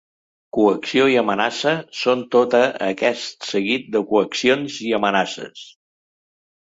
Coacció i amenaça són tota aquest seguit de coaccions i amenaces.